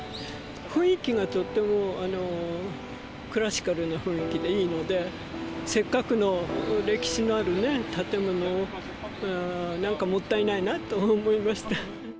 雰囲気がとってもクラシカルな雰囲気でいいので、せっかくの歴史のある建物を、なんかもったいないなと思いました。